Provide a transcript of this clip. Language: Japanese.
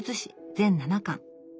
全７巻。